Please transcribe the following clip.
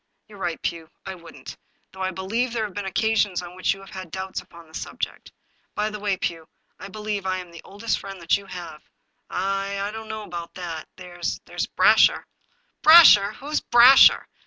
" You are right, Pugh, I wouldn't, though I believe there have been occasions on which you have had doubts upon the subject. By the way, Pugh, I believe that I am the oldest friend you have." ^" I— I don't.know about that. There's— there's Brasher." " Brasher! Who's Brasher?